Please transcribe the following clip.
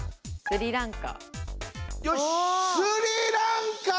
スリランカ！